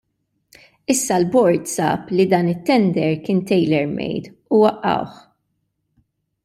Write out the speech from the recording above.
Issa l-bord sab li dan it-tender kien tailor made u waqqgħuh.